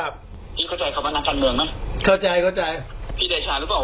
พูดจริงตรงนะถ้าอยากลองก็เจอกันถ้าคิดว่าแน่นะ